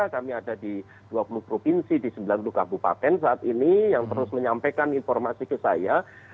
kami ada di dua puluh provinsi di sembilan puluh kabupaten saat ini yang terus menyampaikan informasi ke saya